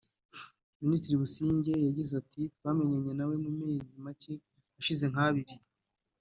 Minisitiri Busingye yagize ati “Twamenyanye na we mu mezi make ashize nk’abiri